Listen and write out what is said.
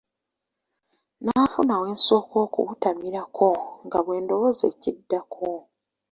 Nafuna we nsooka okubutamirako nga bwe ndowooza ekiddako.